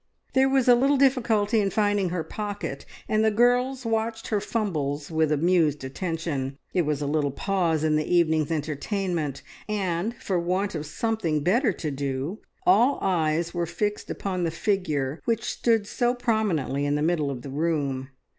There was a little difficulty in finding her pocket, and the girls watched her fumbles with amused attention. It was a little pause in the evening's entertainment, and for want of something better to do all eyes were fixed upon the figure which stood so prominently in the middle of the room.